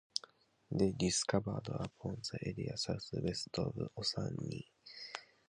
They decided upon the area southwest of Osan-Ni.